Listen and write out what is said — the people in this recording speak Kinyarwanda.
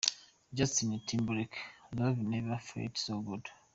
Justin Timberlake, “Love Never Felt So Good”.